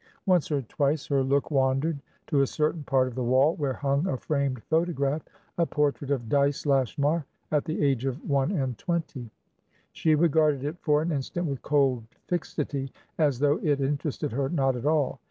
Once or twice her look wandered to a certain part of the wall where hung a framed photographa portrait of Dyce Lashmar at the age of one and twenty; she regarded it for an instant with cold fixity, as though it interested her not at all.